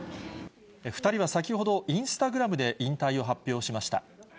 ２人は先ほど、インスタグラムで引退を発表しました。